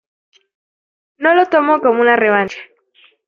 No lo tomo como una revancha.